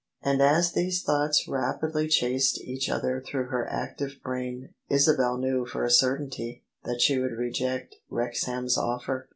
And as these thoughts rapidly chased each other through her active brain, Isabel knew for a certainty that she would reject Wrexham's offer.